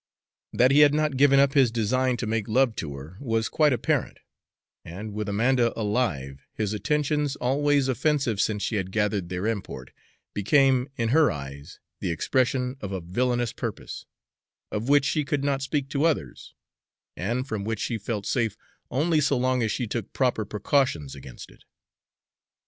That he had not given up his design to make love to her was quite apparent, and, with Amanda alive, his attentions, always offensive since she had gathered their import, became in her eyes the expression of a villainous purpose, of which she could not speak to others, and from which she felt safe only so long as she took proper precautions against it.